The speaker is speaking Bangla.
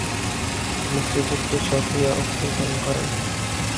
মুক্তিযুদ্ধে সক্রিয় অংশগ্রহণ করেন।